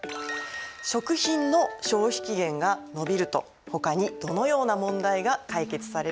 食品の消費期限が延びるとほかにどのような問題が解決されると思いますか？